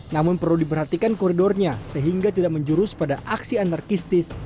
namun perlu diperhatikan koridornya sehingga tidak menjurus pada aksi anarkistis